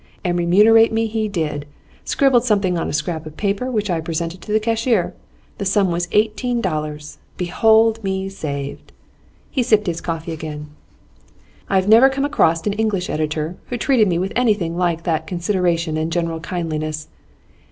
And remunerate me he did; scribbled something on a scrap of paper, which I presented to the cashier. The sum was eighteen dollars. Behold me saved!' He sipped his coffee again. 'I have never come across an English editor who treated me with anything like that consideration and general kindliness.